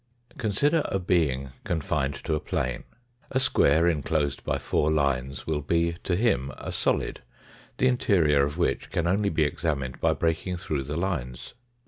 Consider a being confined to a plane. A square enclosed by four lines will be to him a solid, the interior of which can only by examined by breaking through the lines.